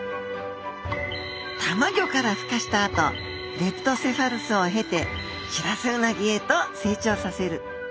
たまギョからふ化したあとレプトセファルスを経てシラスウナギへと成長させる。